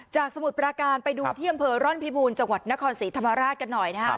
สมุทรปราการไปดูที่อำเภอร่อนพิบูรณ์จังหวัดนครศรีธรรมราชกันหน่อยนะครับ